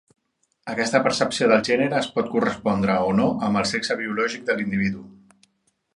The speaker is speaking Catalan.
Aquesta percepció del gènere es pot correspondre, o no, amb el sexe biològic de l'individu.